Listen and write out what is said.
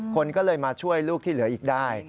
คนก็เลยมาช่วยลูกที่เหลืออีกได้